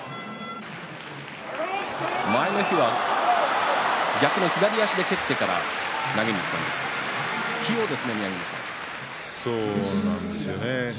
前の日は、逆に左足で蹴ってから投げにいったんですけれどもそうなんですよね。